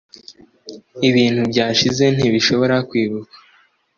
ibintu byashize ntibishobora kwibukwa.